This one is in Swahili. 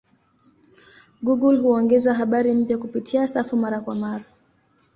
Google huongeza habari mpya kupitia safu mara kwa mara.